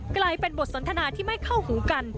กลายเป็นบทสนทนาที่ไม่เข้าหูกัน